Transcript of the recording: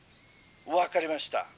「分かりました。